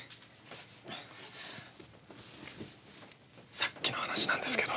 さっきの話なんですけど。